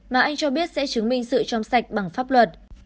mà anh cho biết sẽ chứng minh sự trong sạch bằng pháp luật